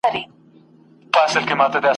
نه خمار وي نه مستي وي نه منت وي له مُغانه ..